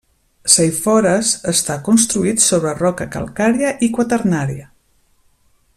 Saifores està construït sobre roca calcària i quaternària.